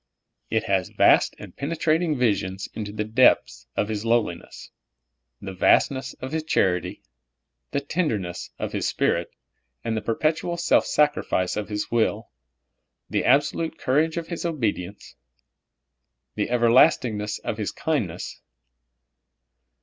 It has vast and penetrating vivsions into the depths of His lowliness, the vastness of His charity, the tenderness of His Spirit, the perpet ual self sacrifice of His will, the absolute courage of His obedience, the everlastingness of His kindness.